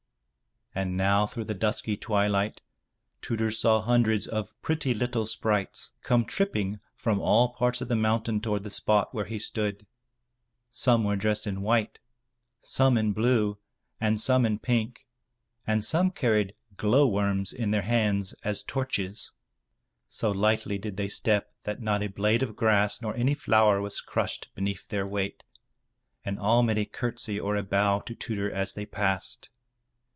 And now through the dusky twilight, Tudur saw hundreds of pretty little sprites come tripping from all parts of the mountain toward the spot where he stood. Some were dressed in white, some in blue, and some in pink, and some carried glow worms in their hands as torches. So lightly did they step that not a blade of grass nor any flower was crushed beneath their weight, and all made a curtsy or a bow to Tudur as they passed.